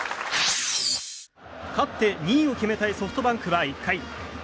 勝って２位を決めたいソフトバンクは１回。